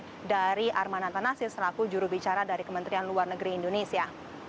masih dari arman antanasir selaku jurubicara dari kementerian luar negeri indonesia